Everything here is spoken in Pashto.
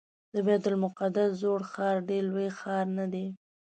د بیت المقدس زوړ ښار ډېر لوی ښار نه دی.